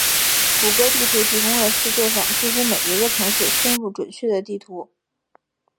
谷歌地图提供了世界上几乎每一个城市深入准确的地图。